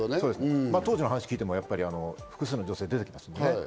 当時、話を聞いても複数の女性が出ていました。